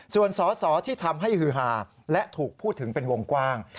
ส่วนสอสอที่ทำให้ฮือฮาและถูกพูดถึงเป็นวงกว้าง